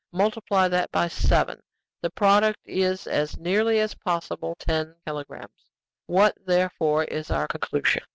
Multiply that by seven; the product is, as nearly as possible, ten kilogrammes. What, therefore, is our conclusion?